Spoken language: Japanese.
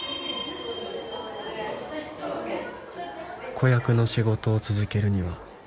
「子役の仕事を続けるには」